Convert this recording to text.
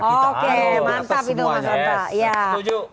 oke mantap itu mas hanta